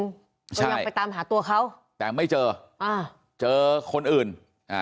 ก็ยังไปตามหาตัวเขาแต่ไม่เจออ่าเจอคนอื่นอ่า